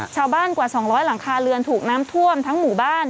กว่า๒๐๐หลังคาเรือนถูกน้ำท่วมทั้งหมู่บ้าน